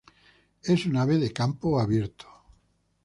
Es un ave de campo abierto.